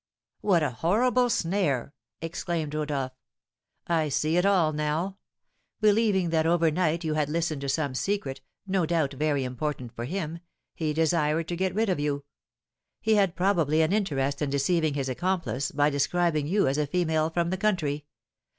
'" "What a horrible snare!" exclaimed Rodolph; "I see it all now. Believing that overnight you had listened to some secret, no doubt very important for him, he desired to get rid of you. He had probably an interest in deceiving his accomplice by describing you as a female from the country.